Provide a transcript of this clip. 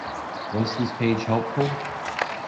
Was this page helpful?